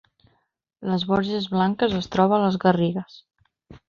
Les Borges Blanques es troba a les Garrigues